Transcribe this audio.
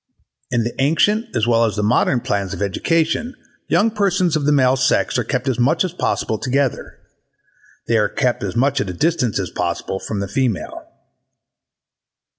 In the antient as well as the modern plans of education young persons of the male sex are kept as much as possible together: they are kept as much at a distance as possible from the female.